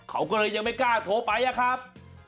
เขาก็เลยยังไม่กล้าโทรไปอะครับ